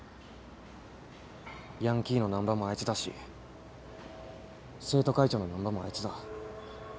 ヤンキーの難破もあいつだし生徒会長の難破もあいつだ。